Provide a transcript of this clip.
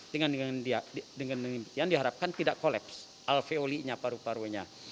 dengan demikian diharapkan tidak kolaps alveolinya paru parunya